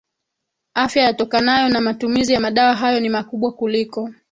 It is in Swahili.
afya yatokanayo na matumizi ya madawa hayo ni makubwa kuliko